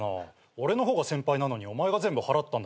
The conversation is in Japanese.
俺の方が先輩なのにお前が全部払ったんだから。